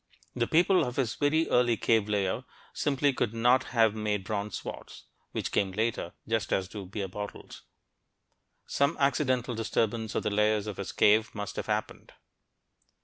The people of his very early cave layer simply could not have made bronze swords, which came later, just as do beer bottles. Some accidental disturbance of the layers of his cave must have happened.